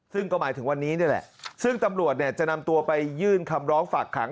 ซึ่งก็หมายถึงวันนี้นี่แหละซึ่งตำรวจเนี่ยจะนำตัวไปยื่นคำร้องฝากขัง